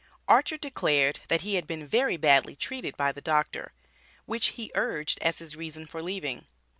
Archer declared that he had been "very badly treated" by the Doctor, which he urged as his reason for leaving.